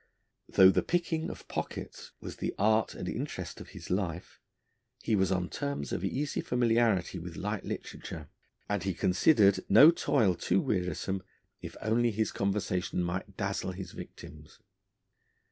Though the picking of pockets was the art and interest of his life, he was on terms of easy familiarity with light literature, and he considered no toil too wearisome if only his conversation might dazzle his victims.